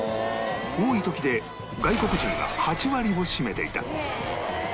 多い時で外国人が８割を占めていた